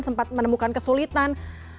sempat menemukan kesulitan